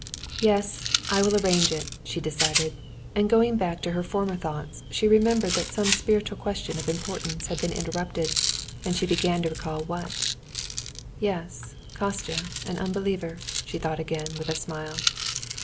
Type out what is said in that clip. "Yes, I will arrange it," she decided, and going back to her former thoughts, she remembered that some spiritual question of importance had been interrupted, and she began to recall what. "Yes, Kostya, an unbeliever," she thought again with a smile.